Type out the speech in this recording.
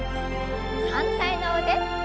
反対の腕。